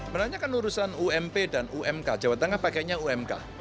menanyakan urusan ump dan umk jawa tengah pakainya umk